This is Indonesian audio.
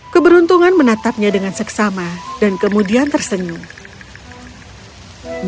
keberuntungan menatapnya dengan seksama dan kemudian tersenyum